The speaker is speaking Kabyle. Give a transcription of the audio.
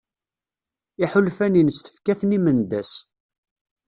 Iḥulfan-ines tefka-ten i Mendas.